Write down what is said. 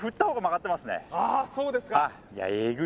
そうですか